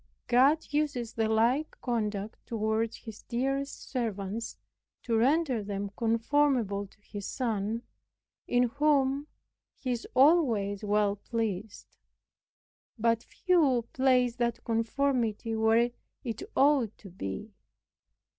God uses the like conduct toward His dearest servants, to render them conformable to His Son, in whom He is always well pleased. But few place that conformity where it ought to be.